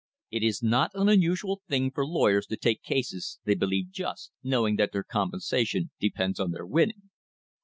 It is not an unusual thing for lawyers to take cases they believe just, knowing that their compensation depends on their winning.